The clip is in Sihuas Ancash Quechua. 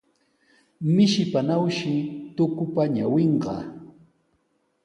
Mishipanawmi tukupa ñawinqa.